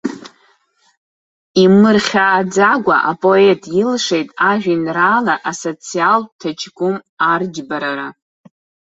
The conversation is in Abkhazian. Имырхьааӡакәа апоет илшеит ажәеинраала асоциалтә ҭаҷкәым арџьбарара.